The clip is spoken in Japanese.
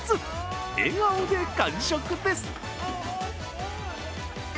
笑顔で完食です。